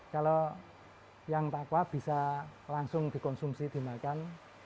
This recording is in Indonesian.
kalau yang takwa bisa langsung dikonsumsi dimakan